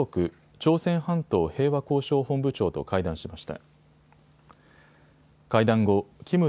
朝鮮半島平和交渉本部長と会談しました。